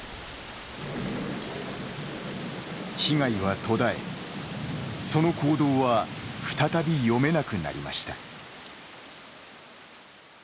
被害は途絶え、その行動は再び読めなくなりました。